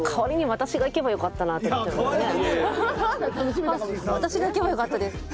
私が行けばよかったです。